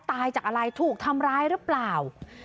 ตายจากอะไรถูกทำร้ายหรือเปล่า